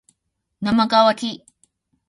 なまがわき